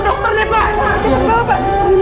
nih kenapa sih dia sampai kayak begini nih